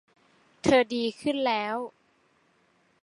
เธอดีขึ้นแล้ว